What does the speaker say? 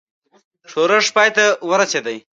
ښورښ پای ته ورسېدی.